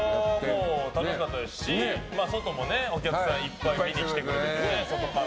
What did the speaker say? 楽しかったですし外もお客さんいっぱい見に来てくださって。